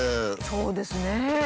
そうですね。